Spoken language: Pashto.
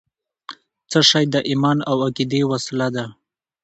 څه شی د ایمان او عقیدې وسله ده؟